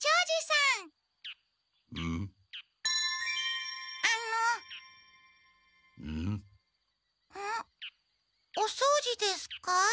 ん？おそうじですか？